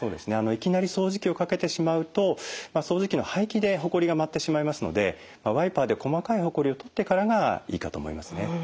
いきなり掃除機をかけてしまうと掃除機の排気でホコリが舞ってしまいますのでワイパーで細かいホコリを取ってからがいいかと思いますね。